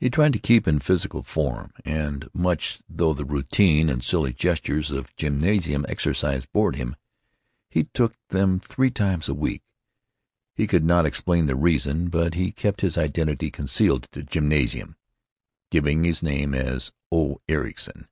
He tried to keep in physical form, and, much though the routine and silly gestures of gymnasium exercises bored him, he took them three times a week. He could not explain the reason, but he kept his identity concealed at the gymnasium, giving his name as "O. Ericson."